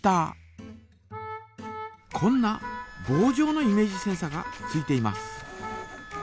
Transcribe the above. こんなぼうじょうのイメージセンサがついています。